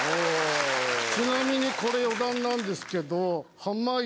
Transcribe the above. ちなみにこれ余談なんですけど濱家